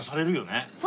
そう。